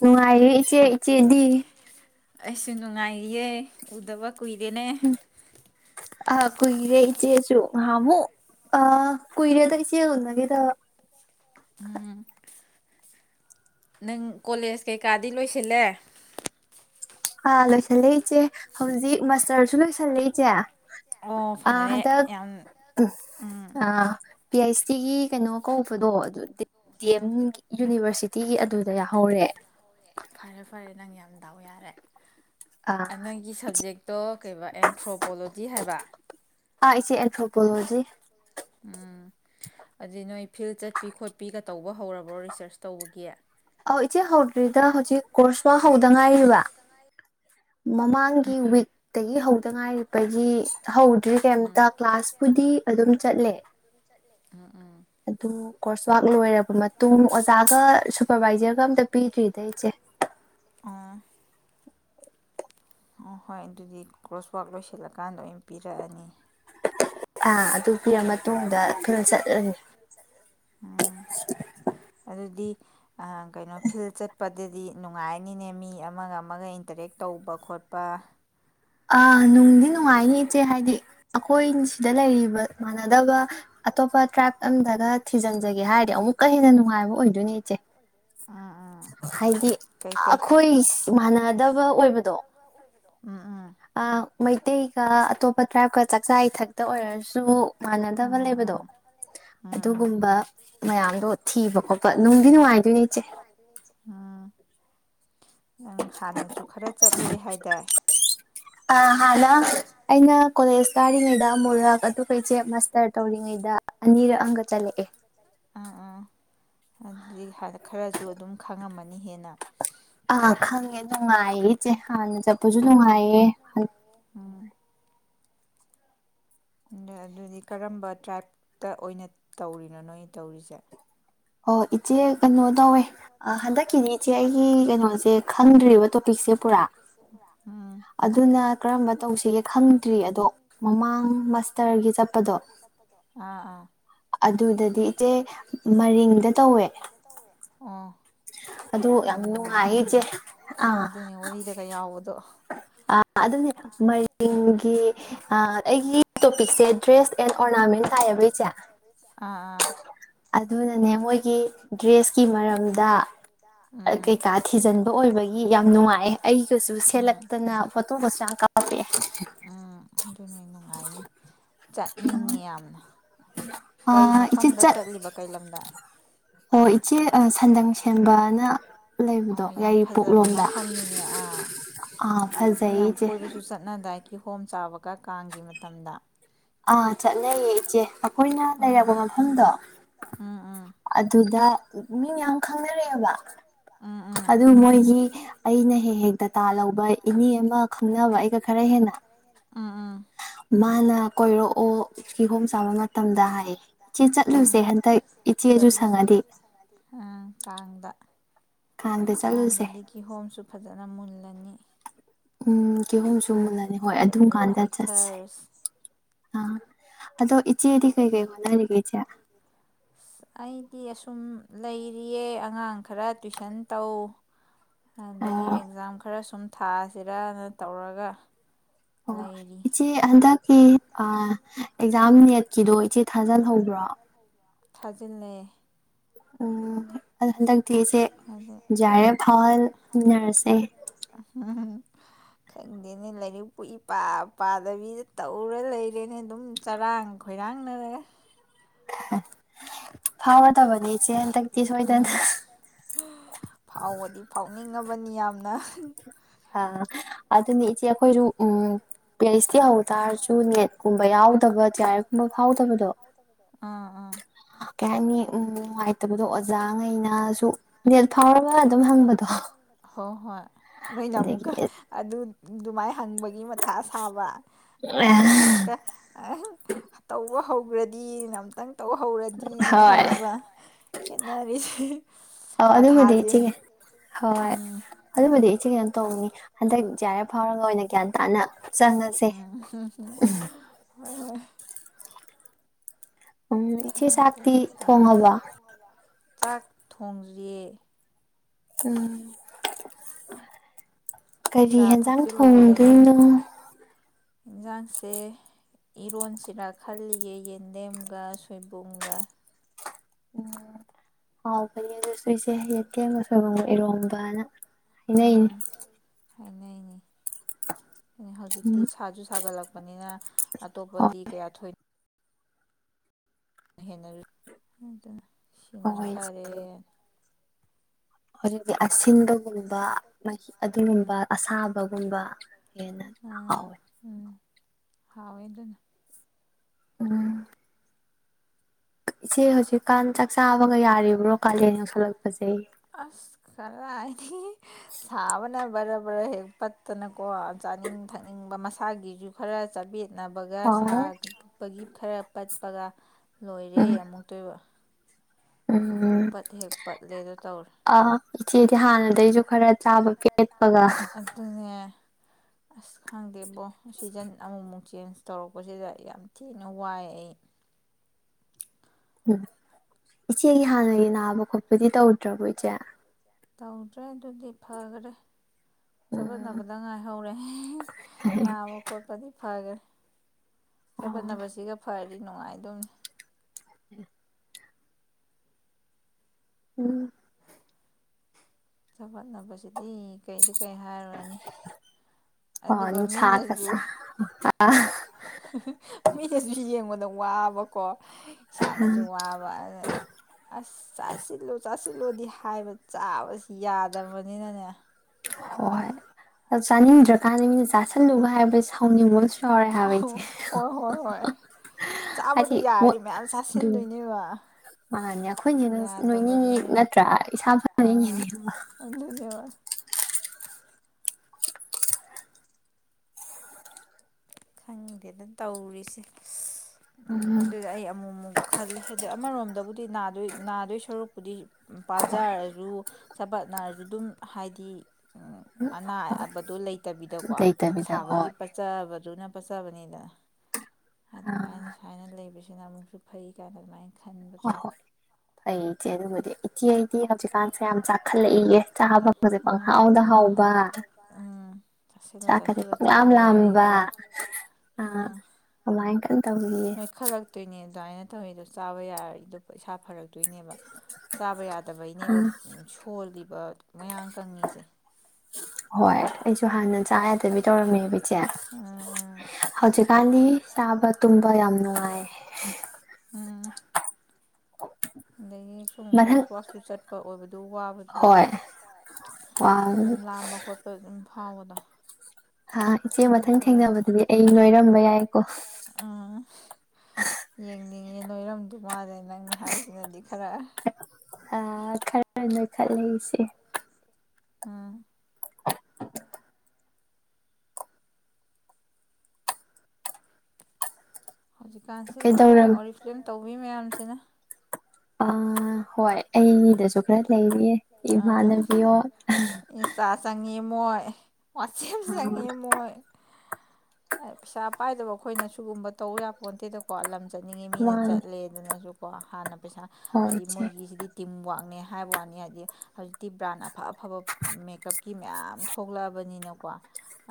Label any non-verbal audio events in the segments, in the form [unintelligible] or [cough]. ꯅꯨꯡꯉꯥꯏ ꯏ ꯆꯦ ꯏ ꯆꯦꯗꯤ ꯑꯩꯁꯨ ꯅꯨꯡꯉꯥꯏꯌꯦ ꯎꯗꯕ ꯀꯨꯏꯔꯦꯅꯦ ꯑ ꯀꯨꯏꯔꯦ ꯏꯆꯦꯁꯨ ꯉꯥꯍꯟꯃꯨꯛ ꯑ ꯀꯨꯏꯔꯦꯗ ꯏꯆꯦ ꯎꯟꯅꯈꯤꯗꯕ ꯅꯪ ꯀꯣꯂꯦꯖ ꯀꯩꯀꯥꯗꯤ ꯂꯣꯏꯁꯤꯜꯂꯦ ꯑꯥ ꯂꯣꯏꯁꯜꯂꯛꯏꯆꯦ ꯍꯧꯖꯤꯛ ꯃꯁꯇꯔꯁꯨ ꯂꯣꯏꯁꯜꯂꯛꯏ ꯏꯆꯦ ꯑ ꯍꯟꯗꯛ ꯑꯥ ꯄꯤ ꯑꯩꯩꯆ ꯗꯤ ꯒꯤ ꯀꯩꯅꯣ ꯀꯧꯕꯗꯣ ꯑꯗꯨ ꯗꯤ ꯑꯦꯝ ꯌꯨꯅꯤꯚꯔꯁꯤꯇꯤꯒꯤ ꯑꯗꯨꯗ ꯌꯥꯍꯧꯔꯦ ꯐꯔꯦ ꯐꯔꯦ ꯅꯪ ꯌꯥꯝ ꯗꯥꯎ ꯌꯥꯔꯦ ꯅꯪꯒꯤ ꯁꯕꯖꯦꯛꯇꯣ ꯀꯩꯕ ꯑꯦꯟꯊ꯭ꯔꯣꯄꯣꯂꯣꯖꯤ ꯍꯥꯏꯕ ꯑ ꯏꯆꯦ ꯑꯦꯜꯊꯔ꯭ꯑꯣꯄꯣꯂꯣꯖꯤ ꯇꯧꯕ ꯍꯧꯔꯕ꯭ꯔꯣ ꯔꯤꯁꯔꯁ ꯇꯧꯕꯒꯤ ꯑꯧ ꯏꯆꯦ ꯍꯧꯗ꯭ꯔꯤꯗ ꯍꯧꯖꯤꯛ ꯀꯣꯔꯁꯋꯔꯀ ꯍꯧꯗ ꯉꯥꯏꯔꯤꯕ ꯃꯃꯥꯡꯒꯤ ꯋꯤꯛꯇꯒꯤ ꯍꯧꯗ ꯉꯥꯏꯔꯤꯕꯒꯤ ꯍꯧꯗ꯭ꯔꯤ ꯀꯩꯝꯇ ꯀ꯭ꯂꯥꯁꯄꯨꯗꯤ ꯑꯗꯨꯝ ꯆꯠꯂꯦ ꯑꯗꯨ ꯀꯣꯔꯁꯋꯥꯛ ꯂꯣꯏꯔꯕ ꯃꯇꯨꯡ ꯑꯣꯖꯥꯒ ꯁꯨꯄꯔꯚꯥꯏꯖꯔꯒ ꯑꯝꯇ ꯄꯤꯗ꯭ꯔꯤꯗ ꯏꯆꯦ ꯑꯣ ꯍꯣꯏ ꯑꯗꯨꯗꯤ ꯀ꯭ꯔꯣꯁꯋꯥꯛ ꯂꯣꯏꯁꯤꯜꯂꯀꯥꯟꯗ ꯑꯣꯏ ꯄꯤꯔꯛꯑꯅꯤ꯫ ꯑꯥ ꯑꯗꯨ ꯄꯤꯔ ꯃꯇꯨꯡꯗ ꯐꯤꯜ ꯆꯠꯂꯅꯤ꯫ ꯎꯝ ꯑꯗꯨꯗꯤ꯫ ꯑ ꯀꯩꯅꯣ ꯐꯤꯜ ꯆꯠꯄꯗꯗꯤ ꯅꯨꯡꯉꯥꯏꯅꯤꯅꯦ ꯃꯤ ꯑꯃꯒ ꯑꯃꯒ ꯏꯟꯇꯔꯦꯛ ꯇꯧꯕ ꯈꯣꯠꯄ ꯑꯥ ꯅꯨꯡꯗꯤ ꯅꯨꯡꯉꯥꯏꯅꯤ ꯏꯆꯦ ꯍꯥꯏꯗꯤ ꯑꯈꯣꯏ ꯁꯤꯗ ꯂꯩꯔꯤꯕ ꯃꯥꯟꯅꯗꯕ ꯑꯇꯣꯞꯄ ꯇ꯭ꯔꯥꯏꯞ ꯑꯝꯗꯒ ꯊꯤꯖꯤꯟꯖꯒꯦ ꯍꯥꯏꯔꯗꯤ ꯑꯃꯨꯛꯀ ꯍꯦꯟꯅ ꯅꯨꯡꯉꯥꯏꯕ ꯑꯣꯏꯗꯣꯏꯅꯦ ꯏꯆꯦ ꯍꯥꯏꯗꯤ ꯑꯈꯣꯏ ꯃꯥꯟꯅꯗꯕ ꯑꯣꯏꯕꯗꯣ ꯑ꯫ ꯃꯩꯇꯩ꯫ ꯑꯇꯣꯞꯄ ꯇ꯭ꯔꯥꯏꯞꯀ ꯆꯥꯛꯆꯥ ꯏꯊꯛꯇ ꯑꯣꯏꯔꯁꯨ ꯃꯥꯟꯅꯗꯕ ꯂꯩꯕꯗꯣ ꯑꯗꯨꯒꯨꯝꯕ ꯃꯌꯥꯝꯗꯣ ꯊꯤꯕ ꯈꯣꯠꯄ ꯅꯨꯡꯗꯤ ꯅꯨꯡꯉꯥꯏꯗꯣꯏꯅꯦ ꯏꯆꯦ꯫ [inaudible] ꯅꯪ ꯍꯥꯟꯅꯁꯨ ꯈꯔ ꯆꯠꯂꯨꯔꯦ ꯍꯥꯏꯗꯥꯏ꯫ ꯑꯩꯅ ꯀꯣꯂꯦꯖ ꯀꯥꯔꯤꯉꯩꯗ ꯑꯃꯨꯔꯛ ꯑꯗꯨꯒ ꯏꯆꯦ ꯃ꯭ꯁꯇ꯭ꯔ ꯇꯧꯔꯤꯉꯩꯗ ꯑꯅꯤꯔꯛ ꯑꯃꯒ ꯆꯠꯂꯦ꯫ [inaudible] ꯑ ꯑ ꯑꯗꯤ ꯍꯥꯏꯔ ꯈꯔꯁꯨ ꯑꯗꯨꯝ ꯈꯪꯉꯝꯃꯅꯤ꯫ ꯅꯤ ꯍꯦꯟꯅ꯫ ꯑꯥ ꯈꯪꯉꯦ ꯅꯨꯡꯉꯥꯏꯌꯦ ꯏꯆꯦ ꯍꯥꯟꯅ ꯆꯠꯄꯁꯨ ꯅꯨꯡꯉꯥꯏꯌꯦ꯫ ꯅꯣꯏ ꯑꯗꯨꯗꯤ ꯀꯔꯝꯕ ꯇ꯭ꯔꯥꯏꯞꯇ ꯑꯣꯏꯅ ꯇꯧꯔꯤꯅꯣ ꯅꯣꯏ ꯇꯧꯔꯤꯁꯦ꯫ ꯑꯣ ꯏꯆꯦ ꯀꯩꯅꯣ ꯇꯧꯋꯦ ꯍꯟꯗꯛꯀꯤꯗꯤ ꯏꯆꯦ ꯑꯩꯒꯤ ꯀꯩꯅꯣꯁꯦ ꯈꯪꯗ꯭ꯔꯤꯕ ꯇꯣꯄꯤꯛꯁꯦ ꯄꯨꯔꯥ ꯑꯗꯨꯅ ꯀꯔꯝꯕ ꯇꯧꯁꯤꯒꯦ ꯈꯪꯗ꯭ꯔꯤ ꯑꯗꯣ ꯃꯃꯥꯡ ꯃ꯭ꯁꯇ꯭ꯔꯒꯤ ꯆꯠꯄꯗꯣ ꯑꯗꯨꯗꯗꯤ ꯏꯆꯦ ꯔꯤꯡꯗ ꯇꯧꯋꯦ꯫ ꯌꯥꯝ ꯅꯨꯡꯉꯥꯏꯅꯤ ꯑꯗꯨꯅꯤ ꯋꯥꯔꯤꯗꯒ ꯌꯥꯎꯕꯗꯣ꯫ ꯑꯥ꯫ ꯑꯗꯨꯅꯦ ꯃꯔꯤꯡꯒꯤ ꯑ ꯑꯩꯒꯤ ꯇꯣꯄꯤ ꯁꯦ ꯗ꯭ꯔꯦꯁ ꯑꯦꯟ ꯑꯣꯔꯅꯥꯃꯦꯟ ꯇꯥꯏꯌꯦꯕ ꯏꯆꯦ ꯑ ꯑꯥ꯫ ꯑꯗꯨꯅꯅꯦ ꯃꯣꯏ ꯗ꯭ꯔꯦꯁꯀꯤ ꯃꯔꯝꯗ ꯀꯩꯀꯥ ꯊꯤꯖꯟꯕ ꯑꯣꯏꯕꯒꯤ ꯌꯥꯝ ꯅꯨꯡꯉꯥꯏ ꯑꯩꯒꯁꯨ ꯁꯦꯠꯂꯛ ꯁꯦꯠꯂꯛꯇꯅꯥ ꯐꯣꯇꯣꯒꯁꯨ ꯌꯥꯝ ꯀꯥꯄꯛꯑꯦ ꯎꯝ ꯑꯗꯨꯅꯦ ꯅꯨꯡꯉꯥꯏꯅꯤ ꯆꯠꯅꯤꯡꯉꯦ ꯌꯥꯝꯅ꯫ ꯀꯩ ꯃꯐꯝꯗ ꯆꯠꯂꯤꯕ ꯀꯩ ꯂꯝꯗ꯫ ꯑꯣ ꯏꯆꯦ ꯑ-ꯁꯟꯗꯪ ꯁꯦꯝꯕꯅ ꯂꯩꯕꯗꯣ ꯌꯥꯏꯔꯤꯄꯣꯛꯂꯣꯝꯗ ꯑ ꯃꯤ ꯌꯥꯝ ꯀꯣꯏꯕꯁꯨ ꯆꯠꯅꯗꯥꯏ꯫ ꯀꯤꯍꯣꯝ ꯆꯥꯕꯒ ꯀꯥꯡꯒꯤ ꯃꯇꯝꯗ꯫ ꯑꯥ ꯆꯠꯅꯩꯌꯦ ꯏꯆꯦ ꯑꯩꯈꯣꯏꯅ ꯂꯩꯔꯕ ꯃꯐꯝꯗꯣ ꯑꯗꯨꯗ꯫ ꯃꯤ ꯃꯌꯥꯝ ꯈꯪꯅꯔꯛꯑꯦꯕ꯫ ꯑꯗꯨ ꯃꯣꯏꯒꯤ ꯑꯩꯅ ꯍꯦꯛ ꯍꯦꯛꯇꯠ꯫ ꯇꯥ ꯂꯧꯕ꯫ ꯏꯅꯦ ꯑꯃ ꯈꯪꯅꯕ ꯑꯩꯒ ꯈꯔ ꯍꯦꯟꯅ꯫ ꯑꯥ ꯑꯥ꯫ ꯃꯥꯅ ꯎꯝ ꯆꯠꯂꯨꯁꯦ ꯎꯝ ꯀꯥꯡꯗ ꯀꯥꯡꯗꯗꯤ ꯀꯤꯍꯣꯝꯁꯨ ꯐꯖꯅ ꯃꯨꯜꯂꯅꯤ꯫ ꯎꯝ꯫ ꯀꯦꯍꯣꯝꯁꯨ ꯃꯨꯜꯂꯅꯤ ꯍꯣꯏ ꯑꯗꯨꯝ ꯀꯥꯟꯗ ꯆꯠꯁꯦ ꯑ꯫ ꯑꯗꯣ [unintelligible] ꯑꯩꯗꯤ ꯑꯁꯨꯝ ꯁꯨꯝ ꯂꯩꯔꯤꯌꯦ ꯑꯉꯥꯡ ꯈꯔ ꯇꯨꯏꯁꯟ ꯇꯧ ꯑꯗꯒꯤ ꯑꯦꯛꯖꯥꯝ ꯈꯔ ꯁꯨꯝ ꯊꯥꯁꯤꯔꯅ ꯇꯧꯔꯒ ꯑꯣ ꯏꯆꯦ ꯍꯟꯗꯛ ꯀꯤ ꯑꯦꯛꯖꯥꯝ ꯅꯦꯠꯀꯤꯗꯣ ꯏꯆꯦ ꯊꯥꯖꯜꯍꯧꯕ꯭ꯔꫭ ꯊꯥꯖꯜꯍꯧꯕ꯭ꯔꫭ ꯊꯥꯖꯤꯜꯂꯦ ꯑꫭ ꯑꯩ ꯍꯟꯗꯛ ꯖꯤ ꯑꯥꫪ ꯑꯦꯐ ꯐꯥꯎꯍꯜꯃꯤꯟꯅꯔꯁꯦ ꯈꯪꯗꯦꯅꯦ ꯂꯥꯏꯔꯤꯛꯄꯨ ꯏꯄꯥ ꯄꯥꯗꯕꯤꯗ ꯇꯧꯔ ꯂꯩꯔꯦꯅꯦ ꯑꯗꯨꯝ ꯆꯔꯥꯡ ꯈꯣꯏꯔꯥꯡꯅꯔꯒ ꯐꯥꯎꯔꯗꯕꯅꯤ ꯏꯆꯦ ꯍꯟꯗꯛ ꯎꯝ ꯐꯥꯎꯕꯗꯤ ꯐꯥꯎꯅꯤ ꯅꯤꯡꯉꯕꯅꯤ ꯌꯥꯝꯅ ꯍꯥ ꯑꯗꯨꯅꯤ ꯏꯆꯦ ꯑꯩꯈꯣꯏꯁꯨ ꯄꯤ ꯑꯥꯁ ꯗꯤ ꯍꯧꯇꯥꯔꯒꯁꯨ ꯅꯦꯠꯀꯨꯝꯕ ꯌꯥꯎꯗꯕ ꯖꯤ ꯑꯥꫪ ꯑꯦꯐꯀꯨꯝꯕ ꯐꯥꯎꯗꯕꯗꫭ ꯀꯩ ꯍꯥꯏꯅꯤ ꯅꯨꯉꯥꯏꯇꯕꯗꫭ ꯑꯣꯖꯥ ꯑꯣꯖꯥꯉꯩꯅꯁꯨ ꯅꯦꯠ ꯐꯥꯎꯔꯕ ꯑꯗꯨꯝ ꯍꯪꯕꯗꯣ ꯅꯣꯏꯅ ꯑꯃꯨꯛꯀ ꯑꯗꯨ ꯑꯗꯨꯃꯥꯏ ꯍꯪꯕꯒꯤ ꯃꯊꯥ ꯁꯥꯕ ꯑꯩꯈꯣꯏꯅ ꯑꯃꯨꯛꯀ [unintelligible] ꯇꯧ ꯕ ꯍꯧꯒ꯭ꯔꯗꯤꯅ ꯑꯝꯇꯪ ꯇꯧꯍꯧꯔꯗꯤꯅ ꯈꯟꯕ ꯈꯦꯠꯅꯔꯤꯁꯦ ꯑꯣ ꯑꯗꯨꯕꯨꯗꯤ ꯏꯆꯦ ꯍꯣꯏ ꯍꯣꯢ ꯑꯗꯨ ꯇꯧꯅꯤ ꯍꯟꯗꯛ ꯖꯤ ꯑꯥꯔ ꯐ ꯐꯥꯎꯔꯒ ꯑꯣꯏꯅ ꯒ꯭ꯌꯥꯟ ꯇꯥꯅ ꯎꯝ ꯍꯨꯝ ꯍꯨꯝ ꯍꯣꯏ ꯍꯣꯢ ꯎꯝ ꯏꯆꯦ ꯆꯥꯛꯇꯤ ꯊꯣꯡꯉꯕꯣ꯫ ꯆꯥꯛ ꯊꯣꯡꯗ꯭ꯔꯤ ꯎꯝ꯫ ꯀꯔꯤ ꯍꯦꯟꯖꯥꯡ ꯊꯣꯡꯗꯣꯏꯅꯣ꯫ ꯌꯦꯟꯁꯥꯡꯁꯦ ꯏꯔꯣꯟꯁꯤꯔ ꯈꯜꯂꯤꯌꯦ ꯌꯦꯟꯗꯦꯝꯒ ꯁꯣꯏꯕꯨꯝꯒ ꯍꯥꯎꯕꯅꯦ ꯑꯗꯨꯁꯨ ꯏꯆꯦ ꯌꯦꯟꯗ꯭ꯔꯦꯝꯒ ꯁꯣꯏꯕꯨꯝꯒ ꯏꯔꯣꯝꯕꯅ ꯍꯥꯏꯅꯩꯅꯤ꯫ ꯍꯥꯏꯅꯩꯅꯤ꯫ ꯍꯧꯖꯤꯛꯇꯤ ꯁꯥꯁꯨ ꯁꯥꯒꯠꯂꯛꯄꯅꯤꯅ ꯑꯇꯣꯞꯄꯗꯤ ꯀꯌꯥ ꯊꯣꯏꯅꯣ [unintelligible] ꯑꯗꯨꯅ ꯁꯤꯅ ꯃꯐꯔꯦ꯫ ꯍꯧꯖꯤꯛꯇꯤ ꯑꯁꯤꯟ ꯕꯒꯨꯝꯕ ꯃꯍꯤ ꯑꯗꯨꯒꯨꯝꯕ ꯑꯁꯥꯕꯒꯨꯝꯕ ꯍꯦꯟꯅ ꯍꯥꯎꯋꯦ꯫ ꯍꯥꯎꯌꯦ ꯑꯨꯗꯅ꯫ ꯎꯝ꯫ ꯏꯆꯦ ꯍꯧ ꯑꯁ ꯀꯔꯥꯏꯗꯤꯒꯤ ꯁꯥꯕ ꯅ ꯕꯔꯥ ꯕꯔ ꯍꯦꯛ ꯄꯠꯇꯅꯀꯣ ꯆꯥꯅꯤꯡ ꯊꯛꯅꯤꯡꯕ ꯃꯁꯥꯒꯤꯁꯨ ꯈꯔ ꯆꯥꯕꯦꯠ ꯅꯕꯒ ꯁꯥꯕꯒꯤ ꯈꯔ ꯄꯠ ꯄꯒ ꯂꯣꯏꯔꯦ ꯑꯃꯨꯛꯇꯣꯏꯕ ꯎꯝ ꯑꯥ ꯏꯆꯦꯗꯤ ꯍꯥꯟꯅꯗꯩꯖꯨ ꯈꯔ ꯆꯥꯕ ꯄꯦꯠꯄꯒ ꯑꯁ ꯈꯪꯗꯦꯕꯣ ꯁꯤꯖꯟ ꯑꯃꯨꯛꯃꯨꯛ ꯆꯦꯟꯖ ꯇꯧꯔꯛꯄꯁꯤꯗ ꯌꯥꯝ ꯊꯤꯅ ꯋꯥꯏ ꯑꯩ ꯎꯝ꯫ ꯏꯆꯦꯒꯤ ꯍꯥꯟꯅꯒꯤ ꯅꯥꯕ ꯈꯣꯠꯄꯗꯤ ꯇꯧꯗ꯭ꯔꯕꯣ ꯏꯆꯦ ꯇꯧꯗ꯭ꯔꯦ ꯑꯗꯨꯗꯤ ꯐꯒꯔꯦ꯫ ꯆꯕꯠꯅꯕꯗ ꯉꯥꯏꯍꯧꯔꯦ ꯅꯥꯕ ꯈꯣꯠꯄꯗꯤ ꯐꯒ꯭ꯔꯦ꯫ ꯆꯕꯠꯅꯕꯖꯤꯒ ꯐꯔ ꯑꯗꯨ ꯅꯨꯡꯉꯥꯏꯗꯣꯏꯅꯤ ꯎ ꯎꯝ ꯍꫭꯏ ꯍꫭꯏ [unintelligible] ꯀꯩꯗꯤ ꯀꯩ ꯍꯥꯏꯔꯨꯔꯅꯤ ꯑꯗꯨꯒ ꯃꯤꯅꯖꯨ ꯍꯨ ꯍꯨꯝ ꯃꯤꯅꯖꯨ ꯌꯦꯡꯕꯗ ꯋꯥꯕ ꯀꫭ ꯏꯁꯥꯅꯁꯨ ꯋꯥꯕ ꯑꯗ ꯑꯁ ꯆꯥꯁꯤꯂꯨ ꯆꯁꯤꯜꯂꯨ ꯁꯤꯜꯂꯣꯗꯤ ꯍꯥꯏꯕ ꯆꯥꯕꯁꯤ ꯌꯥꯗꯕꯅꯤꯅꯅꯦ ꯍꯣꯏ [unintelligible] ꯆꯥꯅꯤꯡꯗ꯭ꯔꯀꯥꯟꯗ ꯃꯤꯅ ꯆꯥꯥꯁꯜꯂꯨꯒ ꯍꯥꯏꯕꯁꯦ ꯁꯥꯎꯅꯤꯡꯕ ꯑꯝꯁꯨ ꯌꯥꯎꯔꯦ ꯍꯥꯏꯕ ꯑꯩꯗꯤ ꯍ ꯍ ꯍ ꯍꯥꯏꯗꯤ ꯋ ꯗꯨ ꯃꯥ ꯍꯥꯏꯅꯦ ꯑꯩꯈꯣꯏꯅ ꯍꯦꯟꯅ ꯅꯣꯏꯅꯤꯡꯉꯤ ꯅꯠꯇ꯭ꯔꯥ ꯏꯁꯥ ꯐꯅꯤꯡꯉꯤꯅꯤ ꯗꯨꯒ ꯈꯪꯗꯦꯗ ꯇꯧꯔꯤꯁꯦ ꯏꯁ! ꯑ ꯑꯗꯨꯗ ꯑꯩ ꯑꯃꯨꯛ ꯑꯃꯨꯛ ꯈꯜꯂꯦ ꯍꯥꯏꯗꯤ ꯑꯃꯔꯣꯝꯗꯕꯨ ꯗꯤ ꯅꯥꯗꯣꯏ ꯅꯥꯗꯣꯏ ꯁꯔꯨꯛꯄꯨꯗꯤ ꯄꯥꯖ ꯔꯁꯨ ꯆꯕꯠ ꯅꯔ ꯑꯗꯨꯝ ꯍꯥꯏꯗꯤ ꯎꯝ ꯑꯅꯥ ꯑꯕꯗꯣ ꯂꯩꯇꯕꯤꯗꯀꯣ ꯁꯥꯕꯒꯤ ꯄꯠꯆꯕꯗꯨꯅ ꯄꯁꯕꯅꯤꯗ ꯑꯗꯨꯃꯥꯏꯅ ꯍꯥꯏꯅ ꯂꯩꯕꯅꯤ ꯁꯤꯅ ꯑꯃꯨꯛꯁꯨ ꯐꯩ ꯀꯥꯏꯅ ꯑꯗꯨꯃꯥꯏ ꯍꫭꯏ ꯍꯣꯏ ꯐꯩ ꯏꯆꯦ ꯗꯨꯒꯗꯤ ꯆꯤꯌꯩ ꯃꯤ ꯍꯧꯖꯤꯛꯀꯥꯟꯁꯦ ꯌꯥꯝ ꯆꯥꯛꯈꯠꯂꯛꯏꯌꯦ ꯆꯥꯕ ꯀꯥꯁꯦ ꯄꯪꯍꯥꯎꯗ ꯍꯥꯎꯕ ꯆꯥꯛꯀꯁꯦ ꯄꯪꯂꯥꯝ ꯂꯥꯝꯕ ꯍ ꯍ ꯑ ꯑꯃꯥꯏ ꯀꯟ ꯅꯣꯏ ꯈꯠꯂꯛꯇꯣꯏꯅꯦ ꯑꯗꯥꯏꯅ ꯩꯇꯧꯔꯤꯗꯣ ꯆꯥꯕ ꯌꯥꯔꯤꯗꯣ ꯏꯁꯥ ꯐꯔꯛ ꯗꯨꯏꯅꯦꯕ ꯆꯥꯕ ꯌꯥꯗꯕꯩꯅꯦꯕ ꯁꯣꯜꯂꯤꯕ ꯃꯌꯥꯡ ꯀꯪꯉꯤꯁꯦ ꯍꯣꯏ ꯑꯩꯁꯨ ꯍꯥꯟꯅ ꯆꯥ ꯌꯥꯗꯕꯤ ꯇꯧꯔꯝꯃꯦꯕꯤ ꯆꯦ ꯍꯧꯖꯤꯛ ꯀꯥꯂꯤ ꯆꯥꯕ ꯇꯨꯝꯕ ꯌꯥꯝ ꯅꯨꯡꯉꯥꯏ ꯍꯦ ꯑꯗꯒꯤ ꯁꯨꯝ ꯀꯣꯔꯁ ꯋꯥꯛꯁꯨ ꯆꯠꯄ ꯑꯣꯏꯕꯗꯨ ꯋꯥꯕꯗꯨꯗ ꯑ ꯑꯗꯨꯝ ꯂꯥꯝꯕ ꯈꯣꯠꯄ ꯑꯗꯨꯝ ꯐꯥꯎꯔꯕꯥ ꯍꯥ ꯏꯆꯦ ꯃꯊꯪ ꯊꯦꯡꯅꯕꯗꯗꯤ ꯑꯩ ꯅꫭꯏꯔꯝꯕ ꯌꯥꯏꯀꯣ ꯅꯣꯏꯔꯝꯗꯨ ꯃꯥꯜꯂꯦ ꯅꯪꯅ ꯍꯥꯏꯁꯤꯅꯗꯤ ꯈꯔ ꯑ ꯈꯔ ꯅꯣꯏꯈꯠꯂꯦ ꯏꯆꯦ ꯑꯝ ꯍꯧꯖꯤꯛꯀꯥꯟꯁꯤ ꯂꯣꯏꯔꯦ ꯑꯣꯔꯤ ꯗꯔꯝ ꯇꯧ ꯎ ꯃꯌꯥꯝꯁꯤꯅ ꯑ ꯍꯣꯏ ꯑꯩꯒꯤꯗꯁꯨ ꯈꯔ ꯂꯩꯔꯤꯌꯦ ꯏꯃꯥꯟꯅꯕꯤꯌꯣ ꯅꯤꯉꯣꯏ ꯋ꯭ꯁꯦꯞ ꯁꯉꯦ ꯃꯣꯏ ꯄꯩꯁꯥ ꯄꯥꯏꯗꯕ ꯑꯩꯈꯣꯏꯅ ꯁꯤꯒꯨꯝꯕ ꯇꯧ ꯌꯥꯄꯣꯟ ꯅꯇꯦꯗꯀꯣ ꯂꯝ ꯆꯠꯅꯤꯡꯉꯦ ꯃꯤꯅ ꯆꯠꯂꯦꯗꯅꯁꯨꯀꯣ ꯍꯥꯟꯅ ꯄꯩꯁꯥ ꯍꯥꯏꯗꯤ ꯃꯣꯏꯒꯤꯁꯤꯗꯤ ꯇꯤꯝ ꯋꯥꯛ ꯍꯥꯏꯕ ꯋꯥꯅꯤ ꯍꯥꯏꯗꯤ ꯍꯧꯖꯤꯛꯇꯤ ꯕ꯭ꯔꯥꯟ ꯑꯐ ꯑꯐꯕ ꯃꯦꯀꯞꯀꯤ ꯃꯌꯥꯝ ꯊꯣꯛꯂꯛꯑꯕꯅꯤꯅꯀꯣ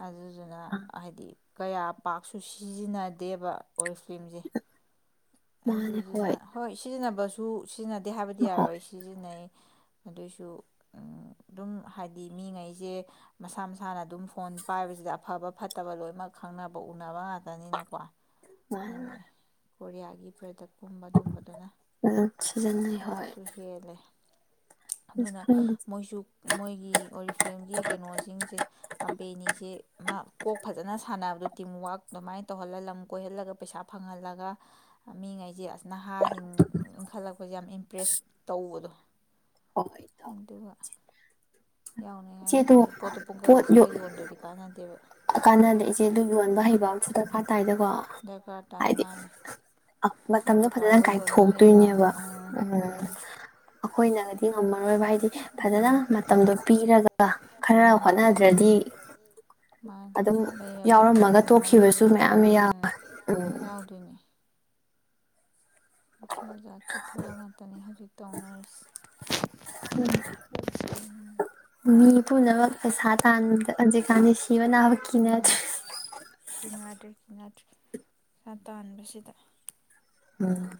ꯑꯗꯨ ꯑꯗꯨꯅ ꯍꯥꯏꯗꯤ ꯀꯌꯥ ꯄꯥꯛꯁꯨ ꯁꯤꯖꯤꯟꯅꯗꯦꯕ ꯑꯣꯔꯤ ꯐ꯭ꯤꯝꯁꯦ ꯑꯗꯨ [unintelligible] ꯁꯤꯖꯤꯅ ꯕꯁꯨ ꯁꯤꯖꯤꯟꯅꯗꯦ ꯍꯥꯏꯕꯗꯤ ꯌꯥꯔꯣꯏ ꯁꯤꯖꯤꯟꯅꯩ ꯑꯗꯨꯏꯁꯨ ꯑꯗꯨꯝ ꯍꯥꯏꯗꯤ ꯃꯤꯉꯩꯁꯦ ꯃꯁꯥ ꯃꯁꯥꯅ ꯑꯗꯨꯝ ꯐꯣꯟ ꯄꯥꯏꯕꯁꯤꯗ ꯑꯐꯕ ꯐꯠꯇꯕ ꯂꯣꯏꯅꯃꯛ ꯈꯪꯅꯕ ꯎꯅꯕ ꯉꯥꯛꯇꯅꯤꯅꯀꯣ ꯃꯥꯒꯤ ꯀꯣꯔꯤꯌꯥꯒꯤ ꯄ꯭ꯔꯗꯛꯀꯨꯝꯕ ꯑꯗꯨꯝꯕꯗꯨꯅ ꯎꯆ ꯁꯤꯖ ꯍ ꯑꯗꯨꯅ ꯃꯣꯏꯁꯨ ꯃꯣꯏꯒꯤ ꯑꯣꯔꯤꯐꯤꯂꯝꯒꯤ ꯀꯩꯅꯣꯁꯤꯡꯁꯦ ꯀꯝꯄꯦꯅꯤꯁꯦ ꯃꯥ ꯀꯣꯛ ꯐꯖꯅ ꯁꯥꯟꯅꯕꯗꯣ ꯇꯤꯝ ꯋꯥꯔꯛ ꯑꯗꯨꯃꯥꯏꯅ ꯇꯧꯍꯜꯂ ꯂꯝ ꯀꯣꯏꯍꯜꯂꯒ ꯄꯩꯁꯥ ꯐꯪꯍꯜꯂꯒ ꯍꯥ ꯃꯤꯉꯩꯁꯦ ꯑꯁ ꯅꯍꯥꯁꯤꯡ ꯏꯟꯈꯠꯂꯛꯄꯁꯦ ꯌꯥꯝ ꯏꯝꯄ꯭ꯔꯦꯁ ꯇꯧꯕꯗꯣ ꯑꯗꯨꯒ ꯌꯥꯎꯅꯤꯉꯥꯏ ꯑꯗꯩ ꯄꯣꯠꯇꯣ ꯄꯨꯡꯀꯛ ꯀꯛꯁꯜꯂ ꯌꯣꯟꯗ꯭ꯔꯗꯤ ꯀꯥꯟꯅꯗꯦꯕ ꯀꯥꯟꯗꯦ ꯏꯆꯦ ꯑꯗꯨ ꯌꯣꯟꯕ ꯍꯩꯕ ꯑꯨ ꯗꯔꯀꯥꯔ ꯇꯥꯏꯗꯀꯣ ꯍꯥꯏꯗꯤ ꯃꯇꯝꯗꯣ ꯐꯖꯅ ꯀꯥꯏꯊꯣꯛꯇꯣꯏꯅꯦꯕ ꯎꯝ ꯑꯩꯈꯣꯏꯅꯒꯗꯤ ꯉꯝꯃꯔꯣꯏꯕ ꯍꯥꯏꯗꯤ ꯐꯖꯅ ꯃꯇꯝꯗꯣ ꯄꯤꯔꯒ ꯈꯔ ꯍꯣꯠꯅꯗ꯭ꯔꯗꯤ ꯂꯩꯔꯒ ꯂꯩꯔꯒ ꯅꯝꯁꯤꯜꯂ ꯊꯝꯃꯒ ꯎꯝ ꯌꯥꯎꯗꯣꯏꯅꯤ ꯏꯁꯥ ꯖꯥꯠꯀꯤ ꯊꯕꯛ ꯉꯥꯛꯇꯅꯤ ꯍꯧꯖꯤꯛ ꯇꯧꯅꯔꯤꯁ ꯎ ꯃꯤ ꯄꯨꯝꯅꯃꯛ ꯄꯩꯁꯥ ꯇꯗ ꯍꯧꯖꯤꯛꯀꯥꯟꯅꯤ ꯁꯤꯕ ꯅꯥꯕ ꯀꯤꯅꯗ꯭ꯔꯦ ꯌꯥꯗ꯭ꯔꯦ ꯌꯥꯗ꯭ꯔꯦ ꯇꯥꯟꯕꯁꯤꯗ ꯎꯝ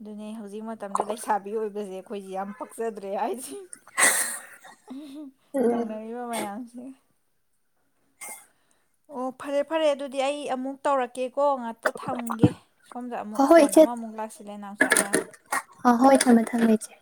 ꯑꯗꯨꯅꯦ ꯍꯧꯖꯤꯛ ꯃꯇꯝꯗ ꯂꯩꯁꯥꯕꯤ ꯑꯣꯏꯕꯁꯦ ꯑꯩꯈꯣꯏꯁꯦ ꯌꯥꯝ ꯄꯛꯆꯗ꯭ꯔꯦ ꯍꯥꯏꯁꯤ ꯇꯧꯅꯔꯤꯕ ꯃꯌꯥꯝꯁꯦ ꯑꯣ ꯐꯔꯦ ꯐꯔꯦ ꯑꯗꯨꯗꯤ ꯑꯩ ꯑꯃꯨꯛ ꯇꯧꯔꯛꯀꯦꯀꯣ ꯉꯥꯛꯇ ꯊꯝꯒꯦ ꯁꯣꯝꯗ ꯑꯃꯨꯛ ꯐꯣꯟ ꯑꯃꯃꯨꯛ ꯂꯥꯛꯁꯤꯜꯂꯦ [unintelligible] ꯑ ꯍꯣꯏ ꯊꯝꯃꯦ ꯊꯝꯃꯦ ꯏꯆꯦ